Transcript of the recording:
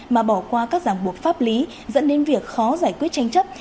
mà bỏ qua các giảng buộc pháp lý dẫn đến việc khó giải quyết tranh chấp